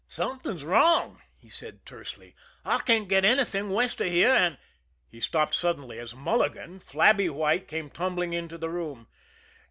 "Something's wrong," he said tersely. "I can't get anything west of here, and " He stopped suddenly, as Mulligan, flabby white, came tumbling into the room.